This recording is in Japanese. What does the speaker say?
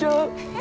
え？